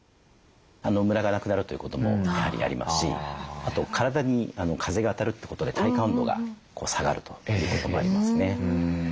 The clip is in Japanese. ムラがなくなるということもやはりありますしあと体に風が当たるってことで体感温度が下がるということもありますね。